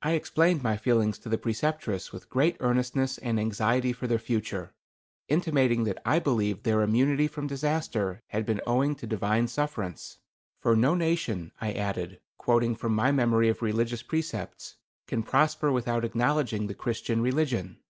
I explained my feelings to the Preceptress with great earnestness and anxiety for their future, intimating that I believed their immunity from disaster had been owing to Divine sufferance. "For no nation," I added, quoting from my memory of religious precepts, "can prosper without acknowledging the Christian religion."